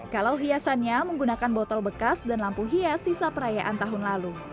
kalau hiasannya menggunakan botol bekas dan lampu hias sisa perayaan tahun lalu